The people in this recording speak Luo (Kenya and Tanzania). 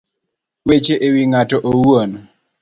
Weche e wi ng'ato owuon